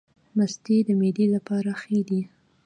مستې د معدې لپاره ښې دي